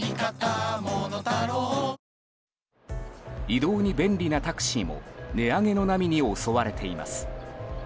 移動に便利なタクシーも値上げの波に襲われています。